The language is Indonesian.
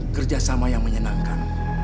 kerjasama yang menyenangkan